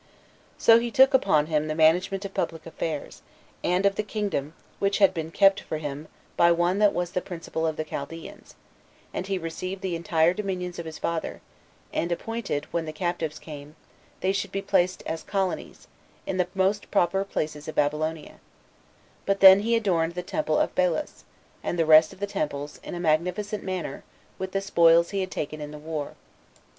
So he took upon him the management of public affairs, and of the kingdom which had been kept for him by one that was the principal of the Chaldeans, and he received the entire dominions of his father, and appointed, that when the captives came, they should be placed as colonies, in the most proper places of Babylonia; but then he adorned the temple of Belus, and the rest of the temples, in a magnificent manner, with the spoils he had taken in the war.